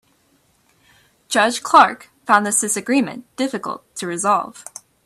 Judge Clark found this disagreement difficult to resolve.